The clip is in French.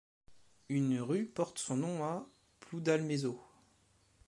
Une rue porte son nom à Ploudalmézeau.